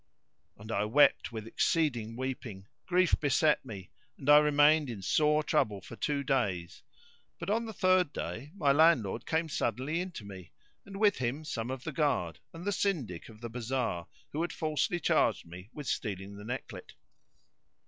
And I wept with exceeding weeping, grief beset me and I remained in sore trouble for two days; but on the third day my landlord came suddenly in to me, and with him some of the guard and the Syndic of the bazar, who had falsely charged me with stealing the necklet.